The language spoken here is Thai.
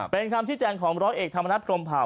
เป็นคำชี้แจงของร้อยเอกธรรมนัฐพรมเผา